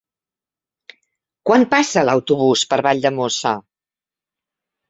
Quan passa l'autobús per Valldemossa?